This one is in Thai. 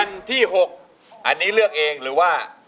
ที่๖อันนี้เลือกเองหรือว่า